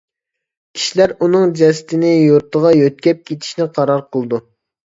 كىشىلەر ئۇنىڭ جەسىتىنى يۇرتىغا يۆتكەپ كېتىشىنى قارار قىلىدۇ.